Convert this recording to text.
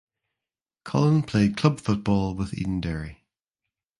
Cullen played club football with Edenderry.